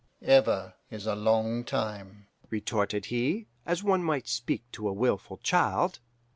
"'Ever is a long time,' retorted he, as one might speak to a wilful child.